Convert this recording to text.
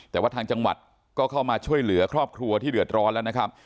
แต่ว่าทางจังหวัดก็เข้ามาช่วยเหลือครอบครัวที่เดือดร้อนแล้วนะครับ